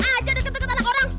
aja deket deket anak orang